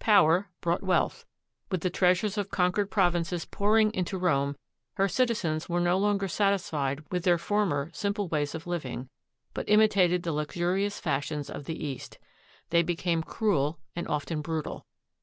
Power brought wealth. With the treasures of conquered provinces pouring into Rome, her citizens were no longer satisfied with their former simple ways of living, but imitated the luxurious fashions of the East. They became cruel and often brutal.